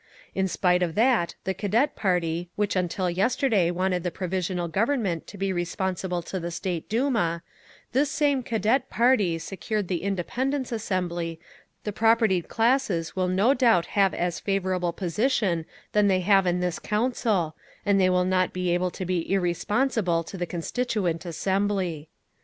In spite of that the Cadet party, which until yesterday wanted the Provisional Government to be responsible to the State Duma—this same Cadet party secured the independence Assembly the propertied classes will no doubt have as favourable position than they have in this Council, and they will not be able to be irresponsible to the Constituent Assembly.